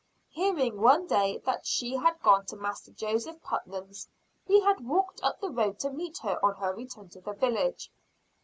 Hearing one day that she had gone to Master Joseph Putnam's, he had walked up the road to meet her on her return to the village.